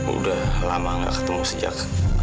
udah lama nggak ketemu sejak